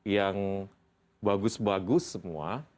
yang bagus bagus semua